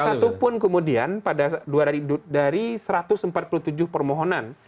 pasatupun kemudian pada dua dari satu ratus empat puluh tujuh permohonan